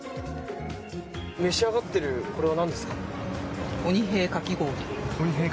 召し上がってるこれはなんですか？